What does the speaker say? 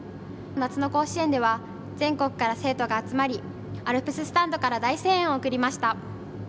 夏の甲子園では全国から生徒が集まりアルプススタンドから大声援を送りました。